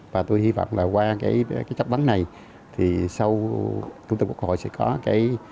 và tôi hy vọng là qua cái chấp vấn này thì sau chúng tôi quốc hội sẽ có cái